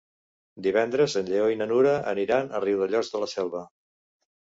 Divendres en Lleó i na Nura aniran a Riudellots de la Selva.